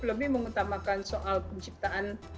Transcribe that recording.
lebih mengutamakan soal penciptaan